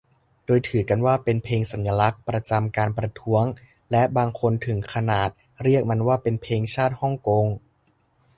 โดยถือกันว่าเป็นเพลงสัญลักษณ์ประจำการประท้วง และบางคนถึงขนาดเรียกมันว่าเป็น "เพลงชาติฮ่องกง"